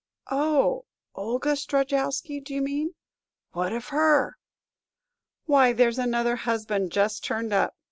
"Oh, Olga Strejowsky, do you mean? What of her?" "Why, there's another husband just turned up.